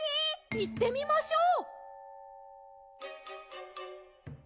・いってみましょう。